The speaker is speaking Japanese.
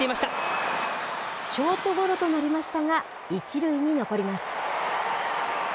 ショートゴロとなりましたが、１塁に残ります。